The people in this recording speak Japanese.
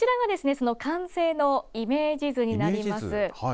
その完成のイメージ図になります。